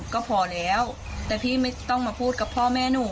ก็พอแล้วแต่พี่ไม่ต้องมาพูดกับพ่อแม่หนู